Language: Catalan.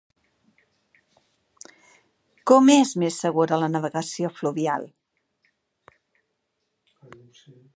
Com és més segura la navegació fluvial?